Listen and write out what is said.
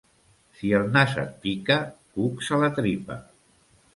Si el nas et pica, cucs a la tripa.